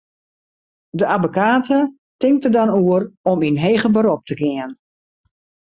De abbekate tinkt der dan oer om yn heger berop te gean.